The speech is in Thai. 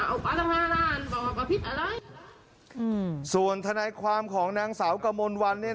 เอาเป๊าะตั้งห้าร้านอืมส่วนธนาความของนางสาวกรมญวัลเนี่ย